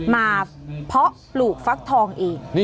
เพาะปลูกฟักทองอีก